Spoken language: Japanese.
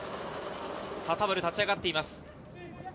田原、立ち上がっています。